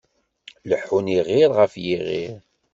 Leḥḥun, iɣiṛ ɣef yiɣiṛ.